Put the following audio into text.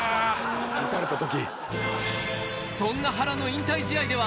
打たれた時。